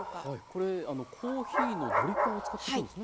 これコーヒーのドリッパーを使ってるんですね。